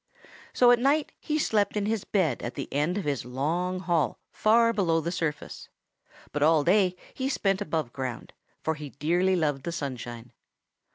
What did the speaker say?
"So at night he slept in his bed at the end of his long hall far below the surface, but all day he spent above ground, for he dearly loved the sunshine.